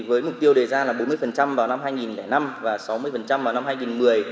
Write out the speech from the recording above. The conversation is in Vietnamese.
với mục tiêu đề ra là bốn mươi vào năm hai nghìn năm và sáu mươi vào năm hai nghìn một mươi